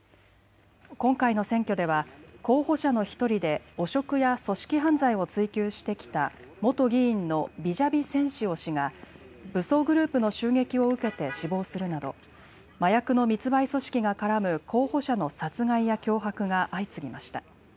今回の選挙では候補者の１人で汚職や組織犯罪を追及してきた元議員のビジャビセンシオ氏が武装グループの襲撃を受けて死亡するなど麻薬の密売組織が絡む候補者の殺害や脅迫が相次ぎました。